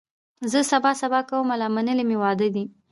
زه سبا سبا کومه لا منلي مي وعدې دي